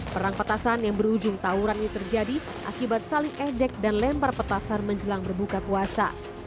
petasan menjelang berbuka puasa